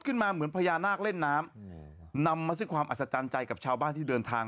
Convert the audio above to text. ขึ้นมาเหมือนพญานาคเล่นน้ำอืมนำมาซึ่งความอัศจรรย์ใจกับชาวบ้านที่เดินทาง